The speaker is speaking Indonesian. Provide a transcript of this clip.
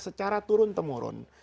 secara turun temurun